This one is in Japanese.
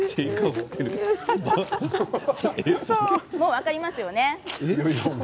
分かりますよね。